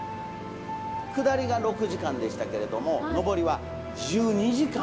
下りが６時間でしたけれども上りは１２時間。